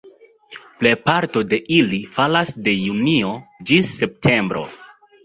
Plejparto de ili falas de junio ĝis septembro.